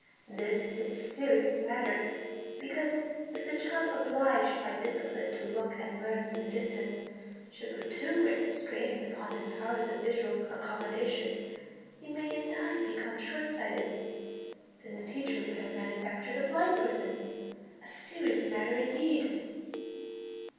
This is a serious matter, because if the child, obliged by discipline to look and learn from a distance, should put too great a strain upon his powers of visual accommodation, he may in time become short sighted; then the teacher would have manufactured a blind person. A serious matter indeed!